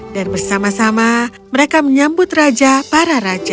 dan bersama sama mereka menyambut raja para raja